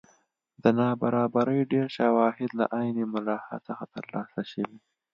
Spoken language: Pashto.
د نابرابرۍ ډېر شواهد له عین ملاحا څخه ترلاسه شوي.